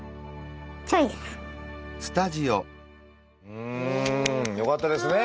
うん！よかったですね。